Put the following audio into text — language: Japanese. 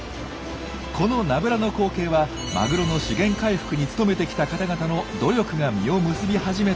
このナブラの光景はマグロの資源回復に努めてきた方々の努力が実を結び始めた証し。